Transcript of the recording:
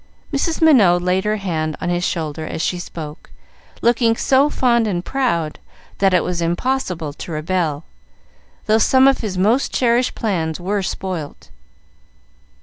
Mrs. Minot laid her hand on his shoulder as she spoke, looking so fond and proud that it was impossible to rebel, though some of his most cherished plans were spoilt.